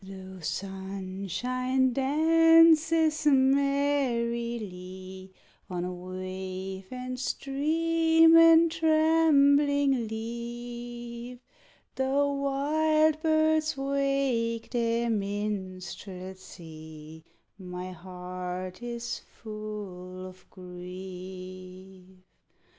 Though sunshine dances merrily On wave and stream and trembling leaf, Though wild birds wake their minstrelsy, My heart is full of grief.